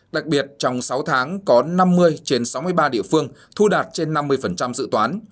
đặc biệt trong sáu tháng có năm mươi trên sáu mươi ba địa phương thu đạt trên năm mươi dự toán